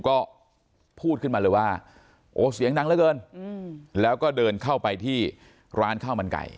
ก็พูดขึ้นมาเลยว่าโอ้เสียงดังเหลือเกินแล้วก็เดินเข้าไปที่ร้านข้าวมันไก่